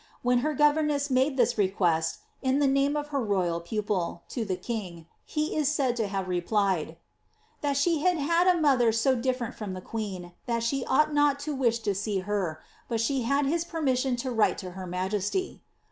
When her governess made this request, in the name of her royal pupil, to the king, he is said to have replied, ^ That she had had a mother so diflerent from the queen, that she ought not to wish to see her, but she had his permission to write to her majesty."'